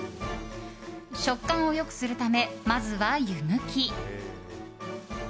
食感を良くするためまずは湯むき。